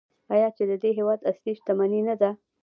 آیا چې د دې هیواد اصلي شتمني نه ده؟